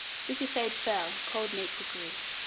FRICASSEED FOWL (Cold Meat Cookery).